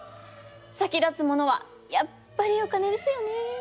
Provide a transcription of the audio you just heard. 先立つものはやっぱりお金ですよね。